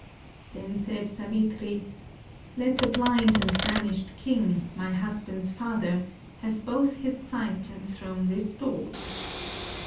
Then said Savitri, "Let the bhnd and banished king, my husband's father, have both his sight and throne restored."